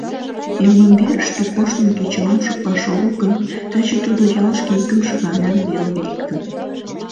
Эмлымверышке коштмо кечылам шотлаш огыл гын, таче тудо ялышке икымше гана веле лектын.